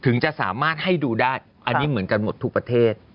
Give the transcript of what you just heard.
จะสามารถให้ดูได้อันนี้เหมือนกันหมดทุกประเทศ